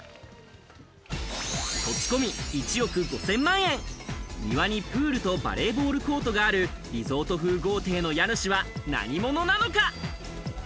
土地込み、１億５０００万円、庭にプールとバレーボールコートがあるリゾート風豪邸の家主は何者なのか。